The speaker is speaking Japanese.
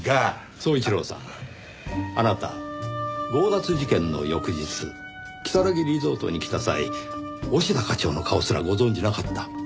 宗一郎さんあなた強奪事件の翌日如月リゾートに来た際押田課長の顔すらご存じなかった。